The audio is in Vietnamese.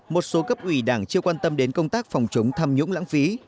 một số cấp ủy đảng chưa quan tâm đến công tác phòng chống tham nhũng lãng phí